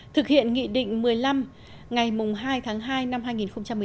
thực hiện nghị định một mươi năm ngày hai tháng hai năm hai nghìn hai mươi